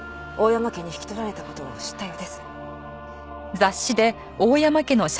山家に引き取られた事を知ったようです。